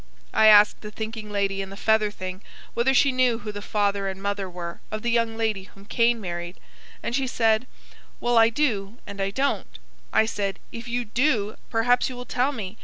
I asked the thinking lady in the feather thing, whether she knew who the father and mother were, of the young lady whom Cain married; and she said: "Well, I do; and I don't." I said: "If you DO, perhaps you will tell me.